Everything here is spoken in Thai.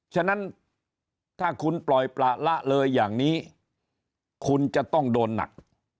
ฉะนั้นถ้าคุณปล่อยประละเลยอย่างนี้คุณจะต้องโดนหนัก